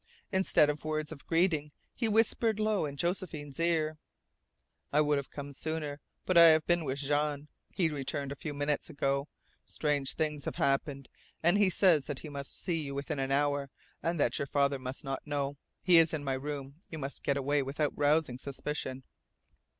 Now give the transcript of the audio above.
Instead of words of greeting, he whispered low in Josephine's ear: "I would have come sooner, but I have been with Jean. He returned a few minutes ago. Strange things have happened, and he says that he must see you within an hour, and that your father must not know. He is in my room. You must get away without rousing suspicion."